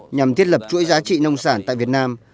nhằm thiết lập chuỗi giá trị nông sản tại việt nam